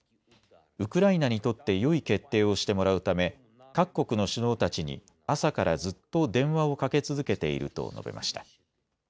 ウクライナにとってよい決定をしてもらうため各国の首脳たちに朝からずっと電話をかけ続けていると述べました。